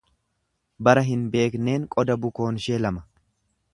Bara hin beekneen qoda bukoonshee lama.